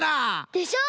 でしょ？